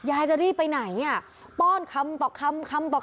ยายจะดีไปไหนอ่ะป้อนคำต่อคำคำต่อคำ